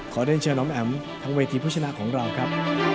ขอเดินเชิญอ๋อมแอ๋มทางเวทีเพื่อชนะของเราครับ